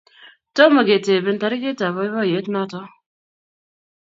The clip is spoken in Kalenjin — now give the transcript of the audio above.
Tomo keteben tarikitab boiboiyet noto